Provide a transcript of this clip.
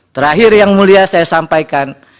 terakhir yang mulia saya sampaikan